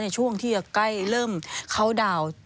ช่วงที่ใกล้เริ่มเข้าดาวน์